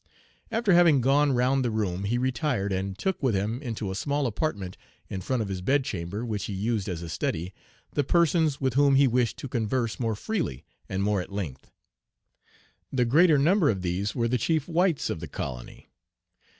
After having gone round the room, he retired, and took with him into a small apartment in front of his bed chamber, which he used as a study, the persons with whom he wished to converse more freely and more at length. The greater number of these were the chief whites of the colony.